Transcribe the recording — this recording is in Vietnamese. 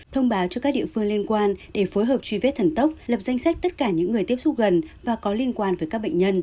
thông báo cho các địa phương liên quan để phối hợp truy vết thần tốc lập danh sách tất cả những người tiếp xúc gần và có liên quan với các bệnh nhân